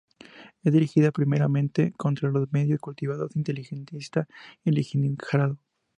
Es dirigida primeramente contra los medios cultivados y la intelligentsia de Leningrado.